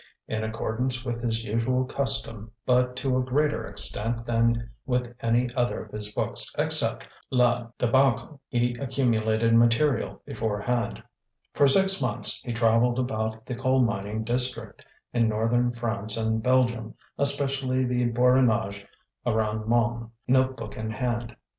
In accordance with his usual custom but to a greater extent than with any other of his books except La Débâcle he accumulated material beforehand. For six months he travelled about the coal mining district in northern France and Belgium, especially the Borinage around Mons, note book in hand.